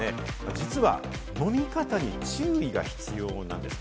実は飲み方に注意が必要なんです。